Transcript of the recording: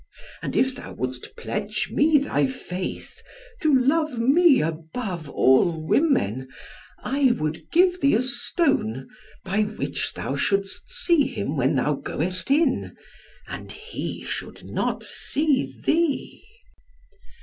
And if thou wouldst pledge me thy faith, to love me above all women, I would give thee a stone, by which thou shouldst see him when thou goest in, and he should not see thee."